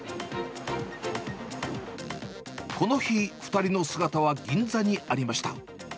この日、２人の姿は銀座にありました。